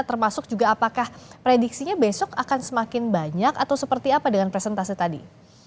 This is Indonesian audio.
termasuk juga apakah prediksinya besok akan semakin banyak atau seperti apa dengan presentase tadi